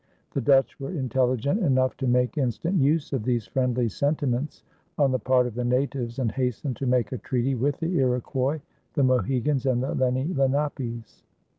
The Dutch were intelligent enough to make instant use of these friendly sentiments on the part of the natives and hastened to make a treaty with the Iroquois, the Mohegans, and the Lenni Lenapes.